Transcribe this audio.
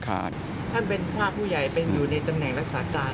ท่านเป็นพระผู้ใหญ่เป็นอยู่ในตำแหน่งรักษาการ